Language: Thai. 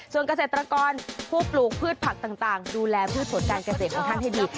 ส่วนเกษตรกรผู้ปลูกพืชผักต่างดูแลพืชผลการเกษตรของท่านให้ดี